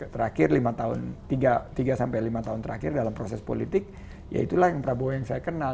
terakhir tiga sampai lima tahun terakhir dalam proses politik ya itulah yang prabowo yang saya kenal